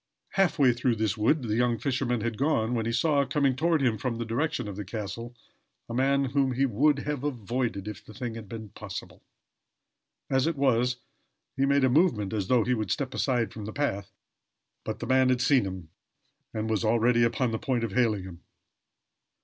Half way through this wood the young fisherman had gone, when he saw, coming toward him from the direction of the castle, a man whom he would he have avoided if the thing had been possible. As it was, he made a movement as though he would step aside from the path, but the man had seen him, and was already upon the point of hailing him.